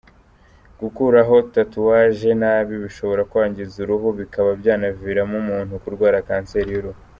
Gukuraho tatouage nabi bishobora kwangiza uruhu, bikaba byanaviramo umuntu kurwara kanseri y’uruhu.